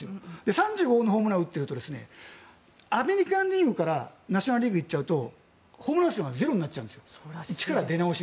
３５本のホームランを打っているとアメリカン・リーグからナショナル・リーグいっちゃうとホームラン数がゼロになっちゃうんです。